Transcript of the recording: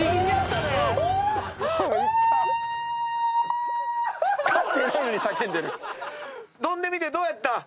飛んでみてどうやった？